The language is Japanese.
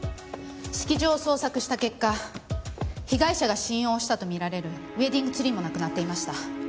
式場を捜索した結果被害者が指印を押したとみられるウェディングツリーもなくなっていました。